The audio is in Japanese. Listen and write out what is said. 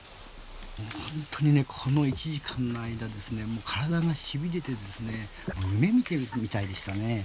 本当に、この１時間の間体がしびれて夢見ているみたいでしたね。